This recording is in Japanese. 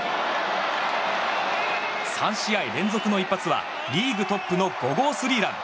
３試合連続の一発はリーグトップの５号スリーラン。